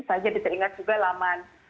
saya jadi teringat juga laman